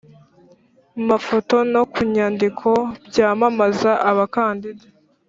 Mafoto no ku nyandiko byamamaza abakandida